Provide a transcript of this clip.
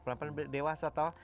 pelan pelan dewasa tau